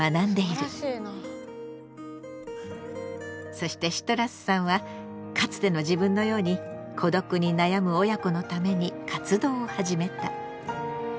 そしてシトラスさんはかつての自分のように孤独に悩む親子のために活動を始めた。